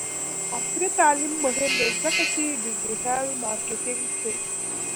عصري تعلیم مهم دی ځکه چې د ډیجیټل مارکیټینګ ښيي.